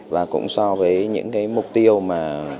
và cũng so với những cái mục tiêu mà